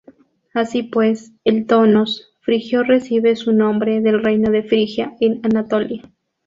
Así pues, el "tonos" frigio recibe su nombre del reino de Frigia en Anatolia.